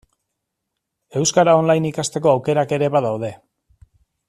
Euskara online ikasteko aukerak ere badaude.